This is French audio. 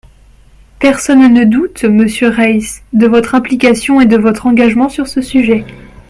Personne ne doute, monsieur Reiss, de votre implication et de votre engagement sur ce sujet.